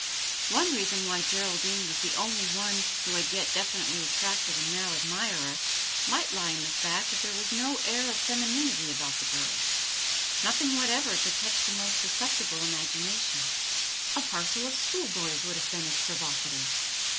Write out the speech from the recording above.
One reason why Geraldine was the only one who had yet definitely attracted a male admirer might lie in the fact that there was no air of femininity about the girls, nothing whatever to touch the most susceptible imagination; a parcel of schoolboys would have been as provocative.